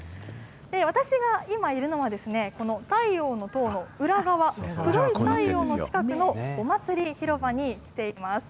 私が今いるのは、この太陽の塔の裏側、黒い太陽の近くのお祭り広場に来ています。